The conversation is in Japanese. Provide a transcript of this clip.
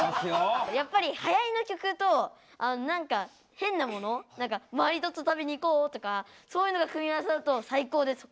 やっぱりはやりの曲となんか変なものマリトッツォ食べに行こうとかそういうのが組み合わさると最高です！